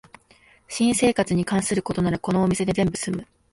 新生活に関することならこのお店で全部すむ